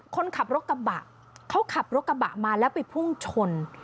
คนขับรถกระบะเขาขับรถกระบะมาแล้วไปพุ่งชน